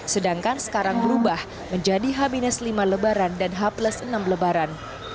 sedangkan sekarang berubah menjadi h lima lebaran dan h enam lebaran